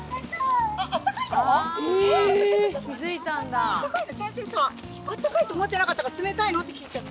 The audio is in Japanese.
えっ温かいの⁉先生さ温かいと思ってなかったから「冷たいの？」って聞いちゃった。